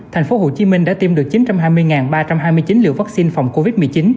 thành phố hồ chí minh đã tiêm được chín trăm hai mươi ba trăm hai mươi chín liều vaccine phòng covid một mươi chín